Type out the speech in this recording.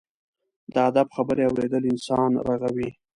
د ادب خبرې اورېدل انسان رغوي.